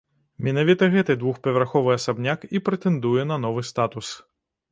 Менавіта гэты двухпавярховы асабняк і прэтэндуе на новы статус.